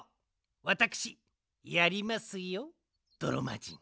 わたくしやりますよどろまじん。